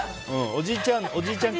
おじいちゃん